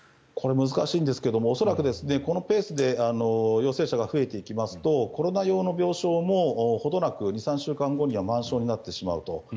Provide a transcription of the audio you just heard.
これは難しいんですが恐らくこのペースで陽性者が増えていきますとコロナ用の病床もほどなく２３週間後には満床になってしまうと。